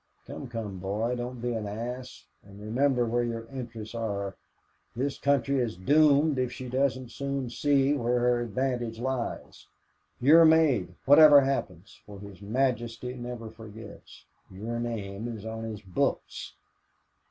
Come, come, boy, don't be an ass. And remember where your interests are. This country is doomed if she doesn't soon see where her advantage lies. You're made, whatever happens, for His Majesty never forgets. Your name is on his books."